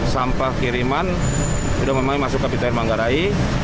sampah kiriman sudah memang masuk ke piter manggarai